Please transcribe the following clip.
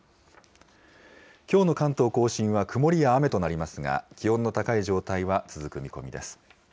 きょうの関東甲信は曇りや雨となりますが、気温の高い状態は続く見込みです。